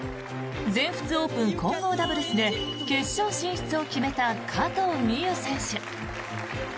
全仏オープン混合ダブルスで決勝進出を決めた加藤未唯選手。